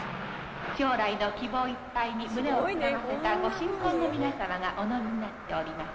将来の希望いっぱいに胸を膨らませたご新婚の皆様がお乗りになっております。